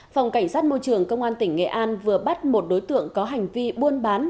phòng cảnh sát môi trường công an tỉnh nghệ an vừa bắt một đối tượng có hành vi buôn bán